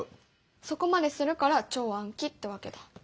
そこまでするから超暗記ってわけだ。